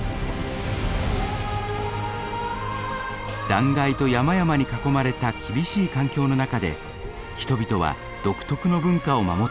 断崖と山々に囲まれた厳しい環境の中で人々は独特の文化を守ってきました。